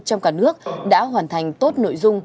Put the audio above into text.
trong cả nước đã hoàn thành tốt nội dung